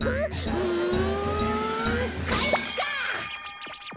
うんかいか！